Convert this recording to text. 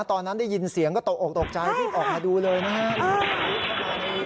ตอนนั้นได้ยินเสียงก็ตกออกตกใจรีบออกมาดูเลยนะครับ